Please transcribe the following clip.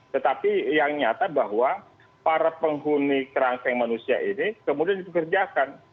tetapi yang nyata bahwa para penghuni kerangkeng manusia ini kemudian dipekerjakan